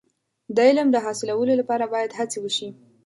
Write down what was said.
د علم د حاصلولو لپاره باید هڅې وشي.